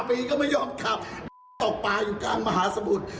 ปีก็ไม่ยอมขับตกปลาอยู่กลางมหาสมุทร